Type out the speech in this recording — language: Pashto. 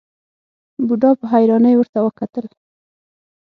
بوډا په حيرانۍ ورته وکتل.